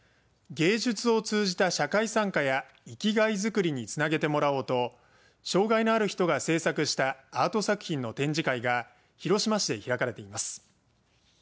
芸術を通じた社会参加や生きがい作りにつなげてもらおうと障害のある人が制作したアート作品の展示会が広島市で開かれています。